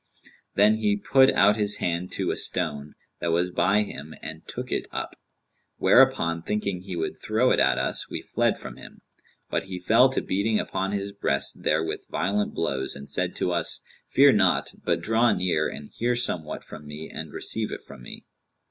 Then he put out his hand to a stone, that was by him and took it up; whereupon thinking he would throw it at us we fled from him; but he fell to beating upon his breast therewith violent blows and said to us, 'Fear not, but draw near and hear somewhat from me and receive it from me.'